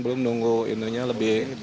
belum nunggu ininya lebih